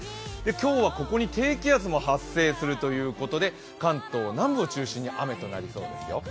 今日はここに低気圧も発生するということで、関東南部を中心に雨となりそうですよ。